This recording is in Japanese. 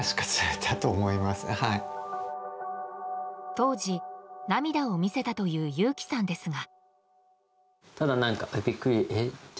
当時、涙を見せたという祐樹さんですが。